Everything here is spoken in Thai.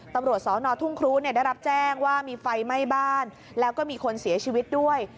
ตำรวจสอนอทุ่งครูได้รับแจ้งว่ามีไฟไหม้บ้านแล้วก็มีคนเสียชีวิตด้วย